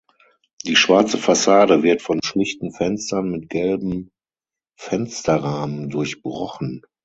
Die schwarze Fassade wird von schlichten Fenstern mit gelben Fensterrahmen durchbrochen.